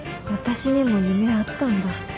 私にも夢あったんだ。